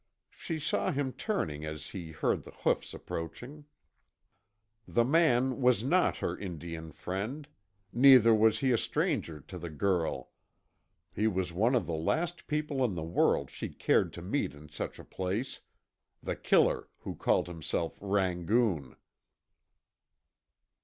She saw him turning as he heard the hoofs approaching. The man was not her Indian friend neither was he a stranger to the girl. He was one of the last people in the world she cared to meet in such a place the killer who called himself Rangoon.